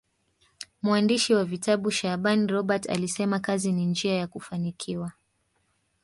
mwandishi wa vitabu shaaban robert alisema kazi ni njia ya kufanikiwa